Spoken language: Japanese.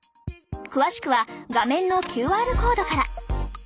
詳しくは画面のＱＲコードから。